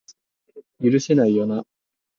許せないよな